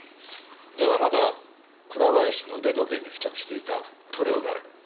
だがまだ倉林の腕時計に付着していた塗料がある。